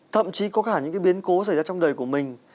thậm chí có cả những cái biến cố xảy ra trong đời của mình